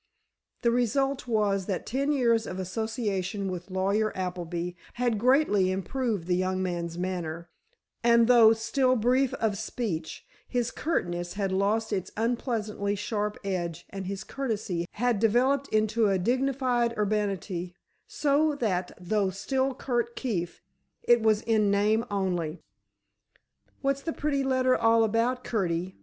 The result was that ten years of association with Lawyer Appleby had greatly improved the young man's manner, and though still brief of speech, his curtness had lost its unpleasantly sharp edge and his courtesy had developed into a dignified urbanity, so that though still Curt Keefe, it was in name only. "What's the pretty letter all about, Curtie?"